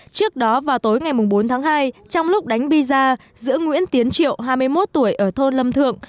trước đó vào tối ngày bốn tháng hai trong lúc đánh biza giữa nguyễn tiến triệu hai mươi một tuổi ở thôn lâm thượng